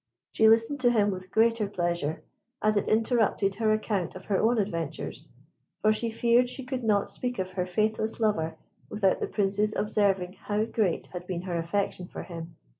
She listened to him with greater pleasure, as it interrupted her account of her own adventures, for she feared she could not speak of her faithless lover without the Prince's observing how great had been her affection for him.